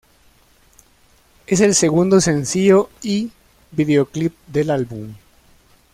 Es el segundo sencillo y videoclip del álbum.